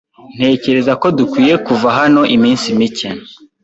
Ntekereza ko dukwiye kuva hano iminsi mike.